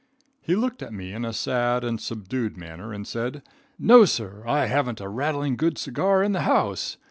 He looked at me in a sad and subdued manner and said, "No, sir; I haven't a rattling good cigar in the house.